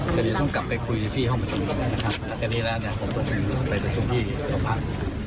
ก็ดีแล้วผมจะไปที่ชุมที่ต่อพัก